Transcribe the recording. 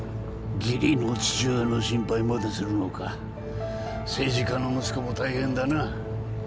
義理の父親の心配までするのか政治家の息子も大変だなあ